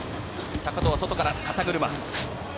高藤は外から肩車。